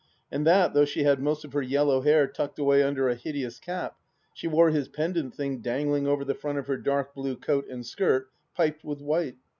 And that though she had most of her yellow hair tucked away under a hideous cap, she wore his pendant thing dangling over the front of her dark blue coat and skirt, piped with white.